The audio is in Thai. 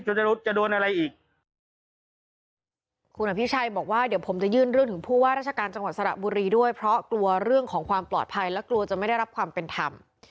คุณจะโดนอะไรอีกคุณอภิชัยบอกว่าเดี๋ยวผมจะยื่นเรื่องถึงผู้ว่าราชการจังหวัดสระบุรีด้วยเพราะกลัวเรื่องของความปลอดภัยและกลัวจะไม่ได้รับความเป็นธรรม